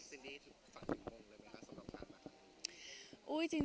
ซินดี้ฝังทำงงเลยมั้ยคะสำหรับค้างคะ